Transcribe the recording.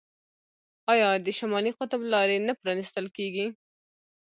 آیا د شمالي قطب لارې نه پرانیستل کیږي؟